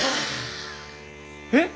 えっ！？